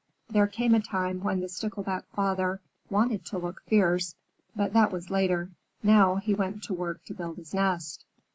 There came a time when the Stickleback Father wanted to look fierce, but that was later. Now he went to work to build his nest.